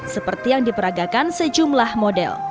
seperti yang diperagakan sejumlah model